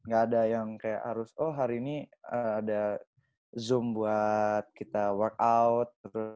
gak ada yang kayak harus oh hari ini ada zoom buat kita workout